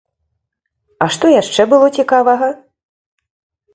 А што яшчэ было цікавага?